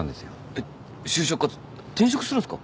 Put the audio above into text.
えっ就職活転職するんすか？